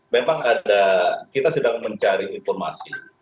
memang ada kita sedang mencari informasi